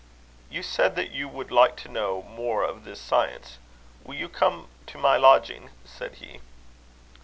"You said that you would like to know more of this science: will you come to my lodging?" said he.